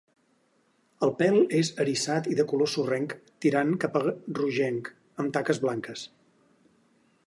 El pèl és eriçat i de color sorrenc tirant cap a rogenc, amb taques blanques.